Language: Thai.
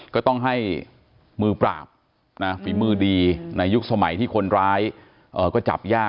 ก็ต้องให้มือปราบฝีมือดีในยุคสมัยที่คนร้ายก็จับยาก